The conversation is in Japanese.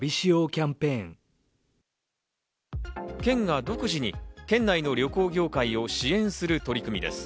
県が独自に県内の旅行業界を支援する取り組みです。